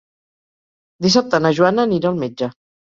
Dissabte na Joana anirà al metge.